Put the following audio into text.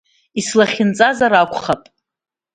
Ислахьынҵазар акәхап.